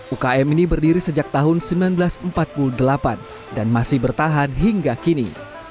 ukm ini berdiri sejak tahun seribu sembilan ratus empat puluh delapan dan masih bertahan hingga kini